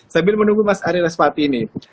sambil menunggu mas ari raspati ini